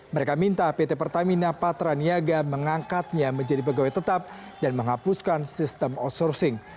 mereka minta pt pertamina patraniaga mengangkatnya menjadi pegawai tetap dan menghapuskan sistem outsourcing